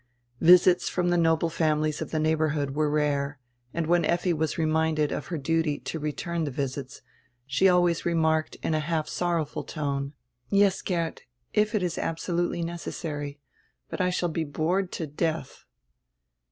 Visits from tire noble families of the neighborhood were rare, and when Effi was reminded of her duty to return the visits she always remarked in a half sorrowful tone: "Yes, Geert, if it is absolutely necessary, but I shall be bored to death."